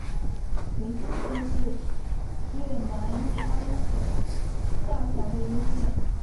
兴元县是越南乂安省下辖的一个县。